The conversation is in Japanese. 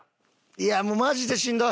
いやもうマジでしんどい。